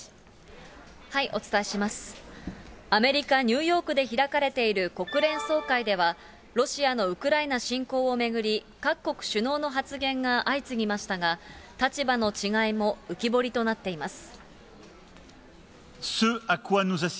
アメリカ・ニューヨークで開かれている国連総会では、ロシアのウクライナ侵攻を巡り、各国首脳の発言が相次ぎましたが、立場の違いも浮き彫りとなっています。